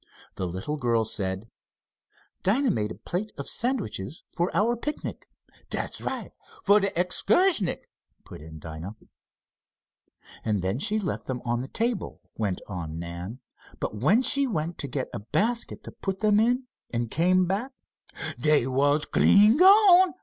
The little girl said: "Dinah made a plate of sandwiches for our picnic " "Dat's right, for de excursnick," put in Dinah. "And she left them on the table," went on Nan. "But when she went to get a basket to put them in, and came back " "Dey was clean gone!"